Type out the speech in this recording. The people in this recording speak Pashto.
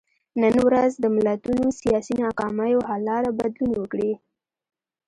نن ورځ د ملتونو سیاسي ناکامیو حل لاره بدلون وکړي.